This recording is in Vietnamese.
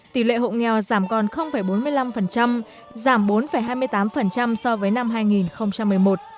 tỷ lệ hộ nghèo giảm còn bốn mươi năm giảm bốn hai mươi tám so với năm hai nghìn một mươi một